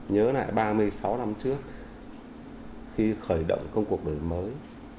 nhớ lại ba mươi sáu năm trước khi khởi động công cuộc đổi mới